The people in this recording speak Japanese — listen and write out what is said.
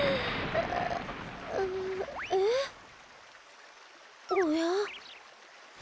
えっおや？